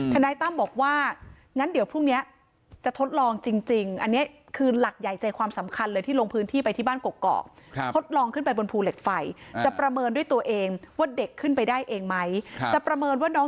ทนัยตั้มบอกว่างั้นเดี๋ยวพรุ่งนี้จะทดลองจริง